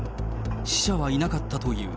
死者はいなかったという。